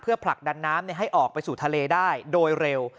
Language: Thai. ผลักดันน้ำให้ออกไปสู่ทะเลได้โดยเร็ว